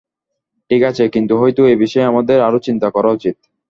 ঠিক আছে, কিন্তু হয়তো এই বিষয়ে আমাদের আরো চিন্তা করা উচিত।